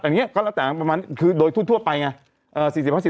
อันนี้ก็ต่างประมาณคือโดยทุนทั่วไปไง